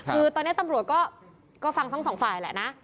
คือตอนนี้ตำรวจก็ฟังทั้งสองฝ่ายแหละนะ